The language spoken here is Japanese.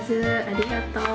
ありがとう。